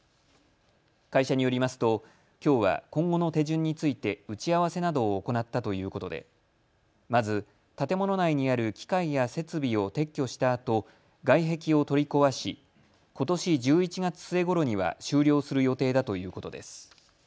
会社によりますときょうは今後の手順について打ち合わせなどを行ったということでまず建物内にある機械や設備を撤去したあと外壁を取り壊しことし１１月末ごろには終了する予定だということです。